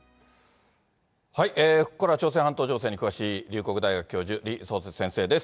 ここからは朝鮮半島情勢に詳しい龍谷大学教授、李相哲先生です。